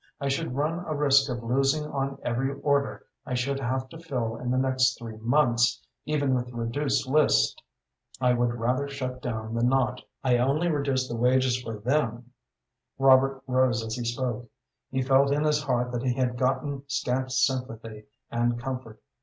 I should run a risk of losing on every order I should have to fill in the next three months, even with the reduced list. I would rather shut down than not; I only reduced the wages for them." Robert rose as he spoke. He felt in his heart that he had gotten scant sympathy and comfort.